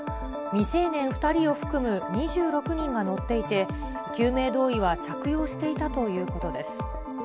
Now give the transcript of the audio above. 未成年２人を含む２６人が乗っていて、救命胴衣は着用していたということです。